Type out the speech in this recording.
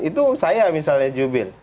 itu saya misalnya jubil